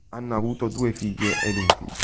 Hanno avuto due figlie ed un figlio.